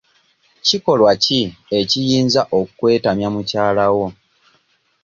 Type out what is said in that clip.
Kikolwa ki ekiyinza okkwetabya mukyala wo.